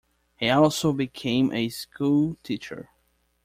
He also became a schoolteacher.